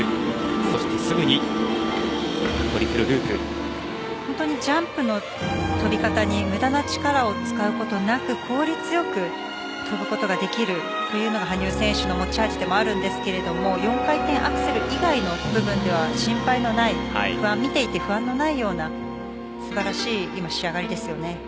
そして、すぐに本当にジャンプの跳び方に無駄な力を使うことなく効率よく跳ぶことができるというのが羽生選手の持ち味でもあるんですが４回転アクセル以外の部分では心配のない見ていて不安のないような素晴らしい仕上がりですよね。